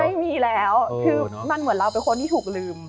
ไม่มีแล้วคือมันเหมือนเราเป็นคนที่ถูกลืม